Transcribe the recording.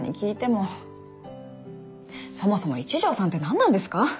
そもそも一条さんってなんなんですか？